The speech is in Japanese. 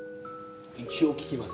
一応聞きます。